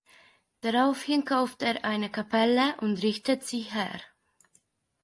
Daraufhin kauft er eine Kapelle und richtet sie her.